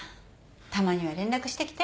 たまには連絡してきて。